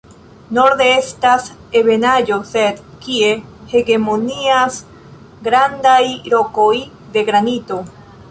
Norde estas ebenaĵo sed kie hegemonias grandaj rokoj de granito.